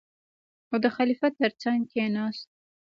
او د خلیفه تر څنګ کېناست.